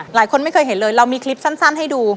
หลายคนไม่เคยเห็นเลยเรามีคลิปสั้นให้ดู